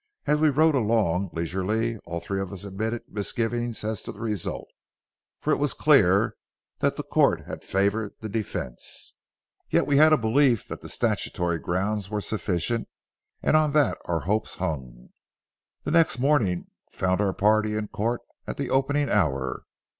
As we rode along leisurely, all three of us admitted misgivings as to the result, for it was clear that the court had favored the defense. Yet we had a belief that the statutory grounds were sufficient, and on that our hopes hung. The next morning found our party in court at the opening hour.